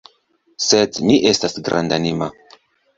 Sed mi estas grandanima.